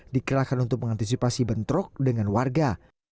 dikerahkan untuk mengantisipasi bentrok dengan warga